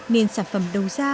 nên sản phẩm đầu ra